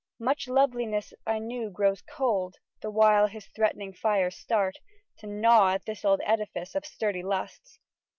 Much loveliness I knew grows cold The while his threatening fires start To gnaw at this old edifice Of sturdy lusts.